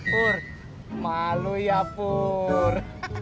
pur malu ya pur